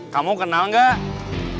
kamu kenal gak